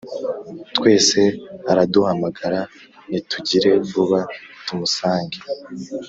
Twese araduhamagara nitugire vuba tumusange